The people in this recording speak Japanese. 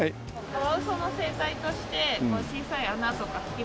カワウソの生態としてこう小さい穴とか隙間とか。